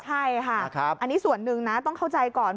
ใช่ค่ะอันนี้ส่วนหนึ่งนะต้องเข้าใจก่อน